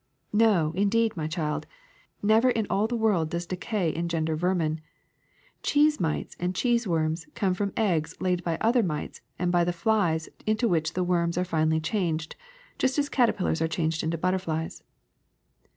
"No, indeed, my child; never in all the world does decay engender vermin. Cheese mites and cheese worms come from eggs laid by other mites and by the flies into which the worms are finally changed just as caterpillars are changed into butterflies."